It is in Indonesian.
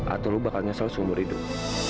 atau lu bakal nyesel seumur hidup